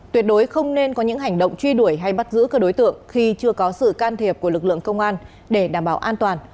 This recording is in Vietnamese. tuyệt đối không nên có những hành động truy đuổi hay bắt giữ các đối tượng khi chưa có sự can thiệp của lực lượng công an để đảm bảo an toàn